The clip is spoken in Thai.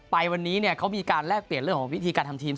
ไปวันนี้เขามีการแลกเปลี่ยนเรื่องของวิธีการทำทีม